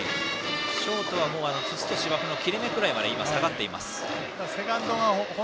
ショートは土と芝生の切れ目ぐらいまで下がっています。